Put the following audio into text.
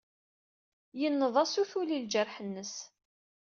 Yenneḍ-as utul i ljerḥ-nnes.